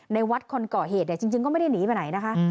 ในวัดคนก่อเหตุเนี่ยจริงก็ไม่ได้หนีไปไหนนะคะ